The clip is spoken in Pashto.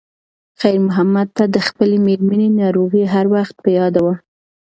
خیر محمد ته د خپلې مېرمنې ناروغي هر وخت په یاد وه.